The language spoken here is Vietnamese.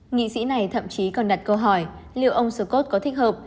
nghị sĩ này thậm chí còn đặt câu hỏi liệu ông scott có thích hợp